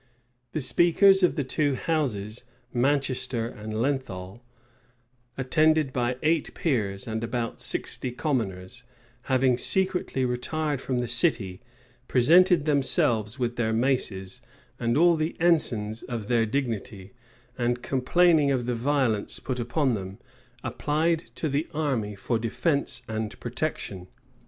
The speakers of the two houses, Manchester and Lenthal, attended by eight peers and about sixty commoners, having secretly retired from the city, presented themselves with their maces, and all the ensigns of their dignity; and complaining of the violence put upon them, applied to the army for defence and protection.